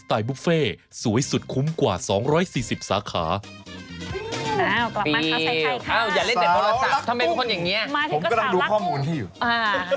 ทำไมทุกคนอย่างเงี้ยผมก็ดูข้อมูลขี้อยู่